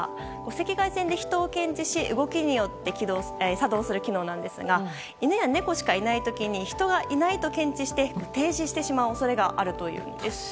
赤外線で人を検知し動きによって作動する機能なんですが犬や猫しかいない時に人がいないと検知して停止してしまう恐れがあるというんです。